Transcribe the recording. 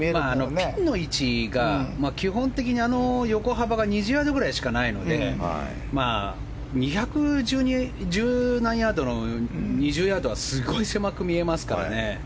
ピンの位置が基本的に横幅が２０ヤードくらいしかないので２１０何ヤードの２０ヤードはすごい狭く見えますからね。